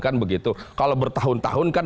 kan begitu kalau bertahun tahun kan